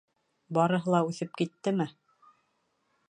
— Барыһы ла үҫеп киттеме?